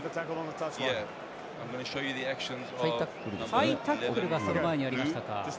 ハイタックルがその前にありましたか。